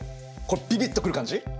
ビビッと来る感じ？